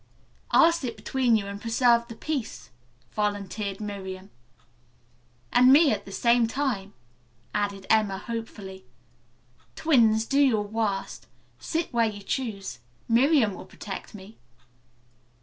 "I'll sit between you and preserve the peace," volunteered Miriam. "And me at the same time," added Emma hopefully. "Twins, do your worst. Sit where you choose. Miriam will protect me."